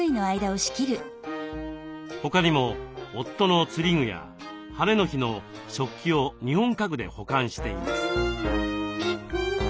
他にも夫の釣り具や晴れの日の食器を日本家具で保管しています。